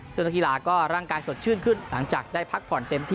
ซึ่งนักกีฬาก็ร่างกายสดชื่นขึ้นหลังจากได้พักผ่อนเต็มที่